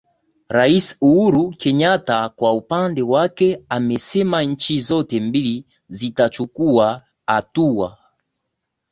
Rais Uhuru Kenyatta kwa upande wake amesema nchi zote mbili zitachukua hatua